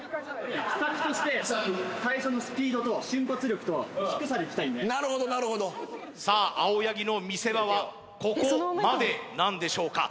秘策として最初のスピードと瞬発力となるほどなるほどさあ青柳の見せ場はここまでなんでしょうか？